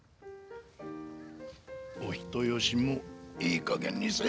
お人よしもいいかげんにせ。